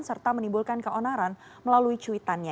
serta menimbulkan keonaran melalui cuitannya